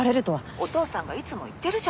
お父さんがいつも言ってるじゃない。